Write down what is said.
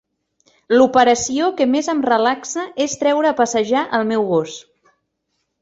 L'operació que més em relaxa és treure a passejar el meu gos.